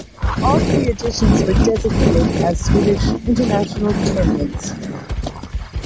All three editions were designated as Swedish International tournaments.